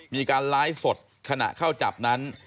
มีการไลฟ์สดขณะเข้าจับนั้น